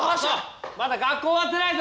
まだ学校終わってないぞ。